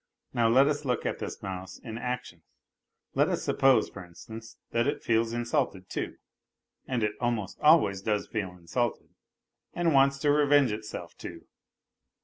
Now let us look at this mouse in action. Let us suppose, for instance, that it feels insulted, too (and it almost always does feel insulted), and wants to revenge itself, too.